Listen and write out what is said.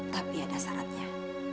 tapi ada syaratnya